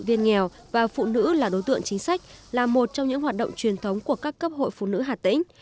viên nghèo và phụ nữ là đối tượng chính sách là một trong những hoạt động truyền thống của các cấp hội phụ nữ hà tĩnh